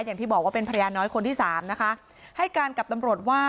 อย่างที่บอกว่าเป็นภรรยาน้อยคนที่สามนะคะให้การกับตำรวจว่า